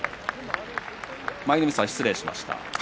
舞の海さん、失礼しました。